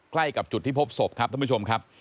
ใกล้กับจุดที่พบศพครับท่านผู้ชมครับ